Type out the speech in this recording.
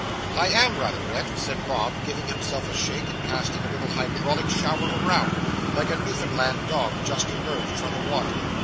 'I am rather wet,' said Bob, giving himself a shake and casting a little hydraulic shower around, like a Newfoundland dog just emerged from the water.